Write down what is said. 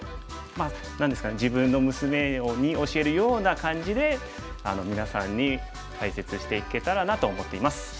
まあ何ですかね自分の娘に教えるような感じでみなさんに解説していけたらなと思っています。